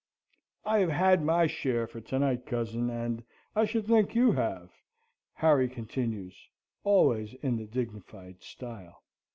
"I have had my share for to night, cousin, and I should think you have," Harry continues, always in the dignified style.